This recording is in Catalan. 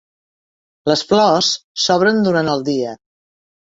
Les flors s'obren durant el dia.